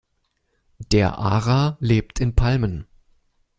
Der Ara lebt in Palmen.